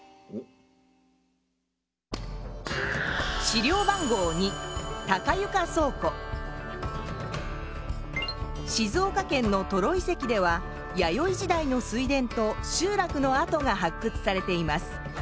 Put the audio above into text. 資料番号２静岡県の登呂遺跡では弥生時代の水田と集落の跡がはっくつされています。